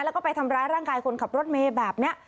แล้วก็ไปทำร้ายร่างกายคนขับรถเมย์แบบนี้